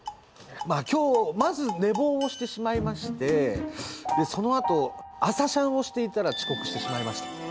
まあ今日まず寝坊をしてしまいましてでそのあと朝シャンをしていたら遅刻してしまいました。